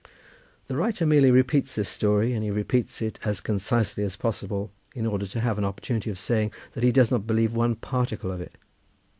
The writer merely repeats this story, and he repeats it as concisely as possible, in order to have an opportunity of saying that he does not believe one particle of it.